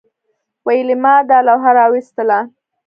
ویلما دا لوحه راویستله